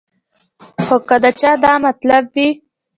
خو کۀ د چا دا مطلب وي